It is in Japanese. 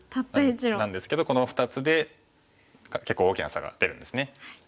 なんですけどこの２つで結構大きな差が出るんですね。